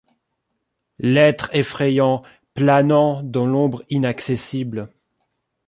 L’être effrayant, planant dans l’ombre inaccessible